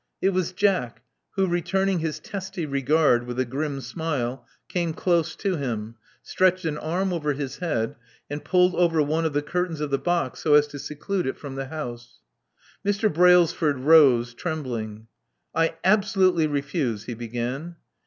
It was Jack, who, returning his testy regard with a grim smile, came close to him; stretched an arm over his head; and pulled over one of the curtains of the box so as to seclude it from the house. Mr. Brailsford rose, trembling. I absolutely refuse " he began.